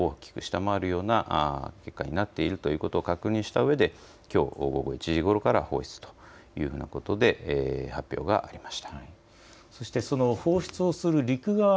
基準を大きく下回るような結果になっているということを確認したうえできょう午後１時ごろから放出ということで発表がありました。